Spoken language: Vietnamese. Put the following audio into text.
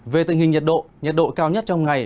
về tình hình nhiệt độ nhiệt độ cao nhất trong ngày